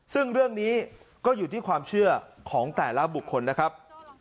ซึ่งเรื่องนี้ก็อยู่ที่ความเชื่อของแต่ละบุคคลนะครับ